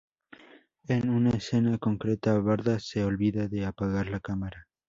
En una escena concreta, Varda se olvida de apagar la cámara.